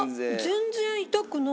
全然痛くない。